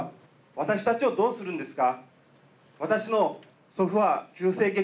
私たちをどうするんですか。